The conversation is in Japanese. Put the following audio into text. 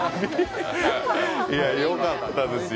よかったですよ。